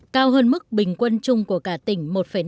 cao hơn mức bình quân chung của cả tỉnh